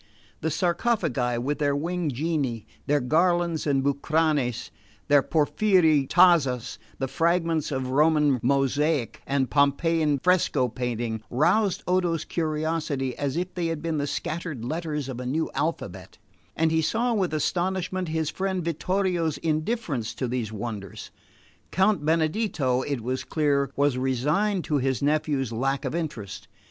The sarcophagi with their winged genii, their garlands and bucranes, and porphyry tazzas, the fragments of Roman mosaic and Pompeian fresco painting, roused Odo's curiosity as if they had been the scattered letters of a new alphabet; and he saw with astonishment his friend Vittorio's indifference to these wonders. Count Benedetto, it was clear, was resigned to his nephew's lack of interest.